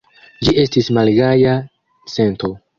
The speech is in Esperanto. Ĝi estis malgaja sento.